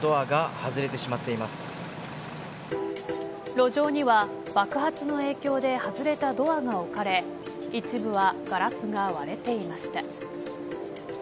路上には、爆発の影響で外れたドアが置かれ一部はガラスが割れていました。